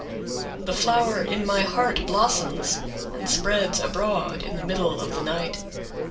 The flower in my heart blossoms and spreads abroad in the middle of the night.